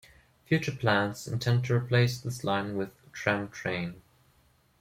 Future plans intend to replace this line with Tram-train.